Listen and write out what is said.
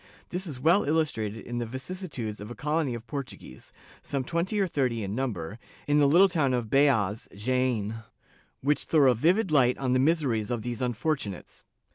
This is well illustrated in the vicissitudes of a colony of Portuguese, some twenty or thirty in number, in the little town of Beas (Jaen), which throw a vivid light on the miseries of these unfortunates.